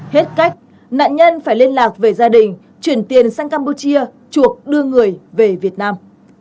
hết cách nạn nhân phải liên lạc với gia đình chuyển tiền sang campuchia chuộc đưa người về việt nam